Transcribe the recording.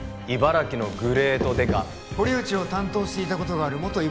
茨城のグレートデカ堀内を担当していたことがある元